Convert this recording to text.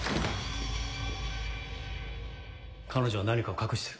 彼女は何かを隠してる。